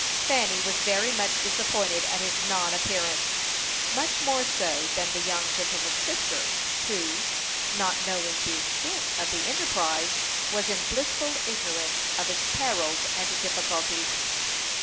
Fanny was very much disappointed at his non appearance, much more so than the young gentleman's sister, who, not knowing the extent of the enterprise, was in blissful ignorance of its perils and difficulties.